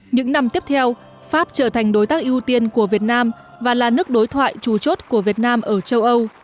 những năm tiếp theo pháp trở thành đối tác ưu tiên của việt nam và là nước đối thoại trù chốt của việt nam ở châu âu